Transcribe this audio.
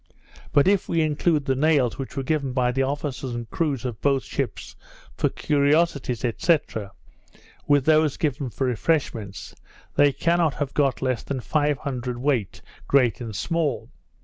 But if we include the nails which were given by the officers and crews of both ships for curiosities, &c. with those given for refreshments, they cannot have got less than five hundred weight, great and small.